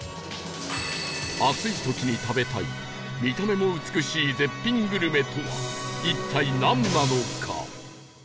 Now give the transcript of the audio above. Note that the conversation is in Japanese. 暑い時に食べたい見た目も美しい絶品グルメとは一体なんなのか？